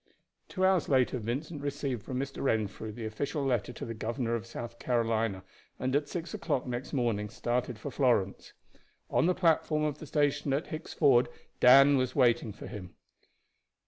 Two hours later Vincent received from Mr. Renfrew the official letter to the governor of South Carolina, and at six o'clock next morning started for Florence. On the platform of the station at Hicks Ford Dan was waiting for him.